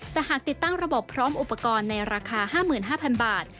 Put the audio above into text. แต่หากติดตั้งระบบพร้อมอุปกรณ์ในราคา๕๕๐๐บาท